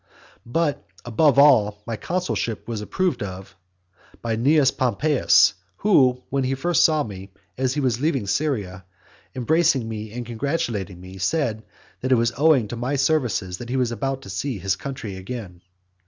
But, above all, my consulship was approved of by Cnaeus Pompeius, who, when he first saw me, as he was leaving Syria, embracing me and congratulating me, said, that it was owing to my services that he was about to see his country again.